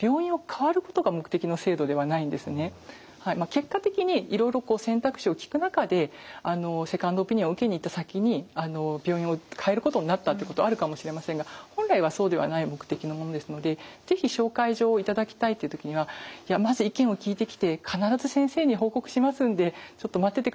結果的にいろいろ選択肢を聞く中でセカンドオピニオンを受けに行った先に病院をかえることになったっていうことあるかもしれませんが本来はそうではない目的のものですので是非紹介状を頂きたいという時にはって言っていただくといいかなと思います。